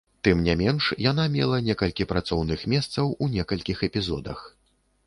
Тым не менш, яна мела некалькі працоўных месцаў у некаторых эпізодах.